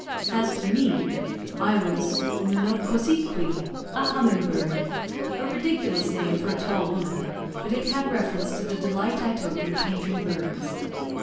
As to me, I was Nonocosiqui, a "humming bird;" a ridiculous name for a tall woman, but it had reference to the delight I took in painting birds.